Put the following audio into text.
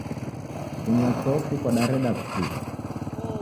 Kunywa chofi kwadareda w'ukiw'a.